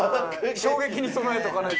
衝撃に備えておかないと。